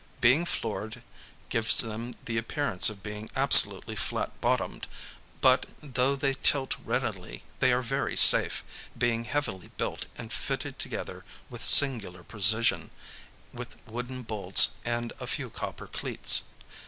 Being floored gives them the appearance of being absolutely flat bottomed; but, though they tilt readily, they are very safe, being heavily built and fitted together with singular precision with wooden bolts and a few copper cleets.